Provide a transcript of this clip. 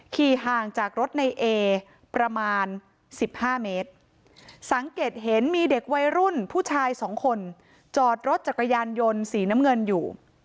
ห่างจากรถในเอประมาณ๑๕เมตรสังเกตเห็นมีเด็กวัยรุ่นผู้ชายสองคนจอดรถจักรยานยนต์สีน้ำเงินอยู่